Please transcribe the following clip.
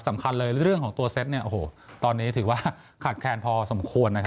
สำคัญเลยเรื่องของตัวเซ็ตตอนนี้ถือว่าขาดแคลนพอสมควร